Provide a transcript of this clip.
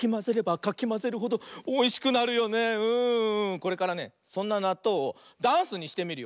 これからねそんななっとうをダンスにしてみるよ。